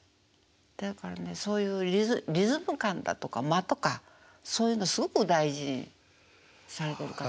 だからねそういうリズム感だとか間とかそういうのすごく大事にされてる方。